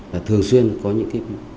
là thường xuyên có những